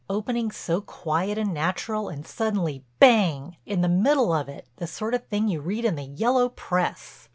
—opening so quiet and natural and suddenly bang, in the middle of it, the sort of thing you read in the yellow press.